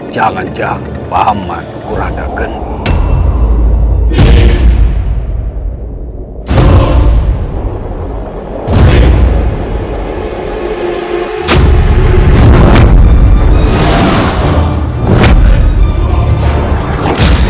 jangan jahat paham kurang ada geng